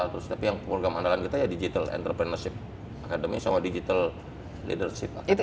terus tapi yang program andalan kita ya digital entrepreneurship academy sama digital leadership